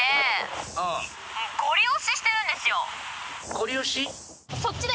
ごり押し？